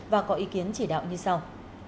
và có ý kiến chỉ đạo như sau